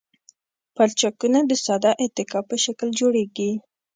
پلچکونه د ساده اتکا په شکل جوړیږي